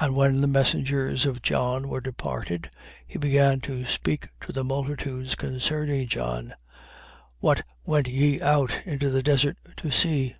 7:24. And when the messengers of John were departed, he began to speak to the multitudes concerning John. What went ye out into the desert to see?